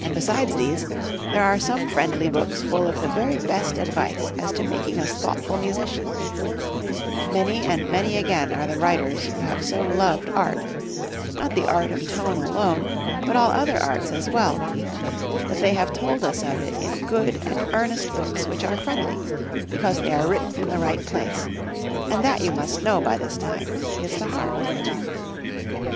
And besides these, there are some friendly books full of the very best advice as to making us thoughtful musicians; many and many again are the writers who have so loved art not the art of tone alone, but all other arts as well that they have told us of it in good and earnest books which are friendly, because they are written from the right place; and that you must know by this time is the heart.